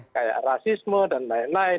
kayak rasisme dan lain lain